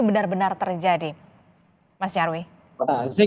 benar benar terjadi mas yarwi saya